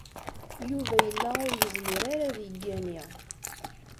Yuba yella ur yezmir ara ad yeggani.